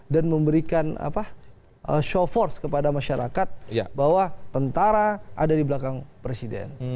memberikan show force kepada masyarakat bahwa tentara ada di belakang presiden